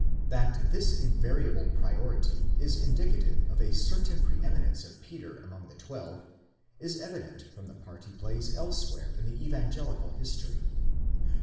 That this invariable priority is indicative of a certain pre eminence of Peter among the twelve, is evident from the part he plays else where in the evangelical history.